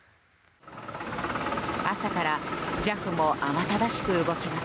朝からＪＡＦも慌ただしく動きます。